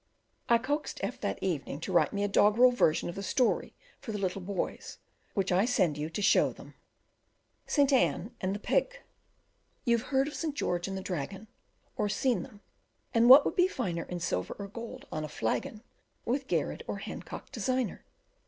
I coaxed F that evening to write me a doggerel version of the story for the little boys, which I send you to show them: St. Anne and the pig. You've heard of St. George and the dragon, Or seen them; and what can be finer, In silver or gold on a flagon, With Garrard or Hancock designer?